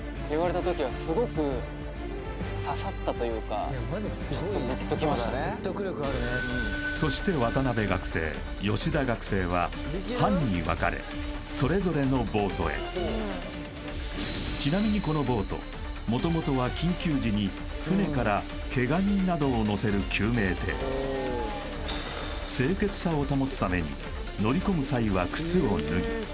３！朝から訓練を重ねている転校生の２人体力も限界にそして渡辺学生吉田学生は班に分かれそれぞれのボートへちなみにこのボート元々は緊急時に船からケガ人などを乗せる救命艇清潔さを保つために乗り込む際は靴を脱ぎ